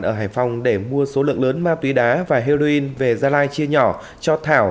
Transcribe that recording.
ở hải phòng để mua số lượng lớn ma túy đá và heroin về gia lai chia nhỏ cho thảo